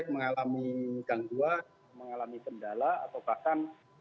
mengalami gangguan mengalami kendala atau bahkan